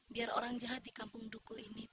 biar orang jahat di kampung duku ini